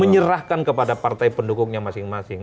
menyerahkan kepada partai pendukungnya masing masing